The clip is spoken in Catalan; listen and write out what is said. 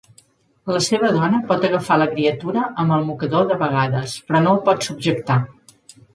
La seva dona pot agafar la criatura amb el mocador de vegades, però no el pot subjectar.